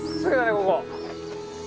ここ。